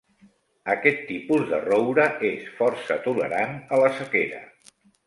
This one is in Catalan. Aquest tipus de roure és força tolerant a la sequera.